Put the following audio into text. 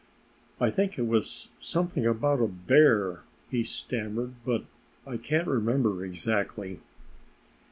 "I think it was something about a bear," he stammered, "but I can't remember exactly."